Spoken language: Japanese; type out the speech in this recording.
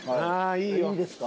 いいですか？